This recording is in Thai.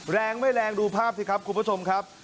แรงไม่แรงดูภาพสิครับคุณผู้ชมครับ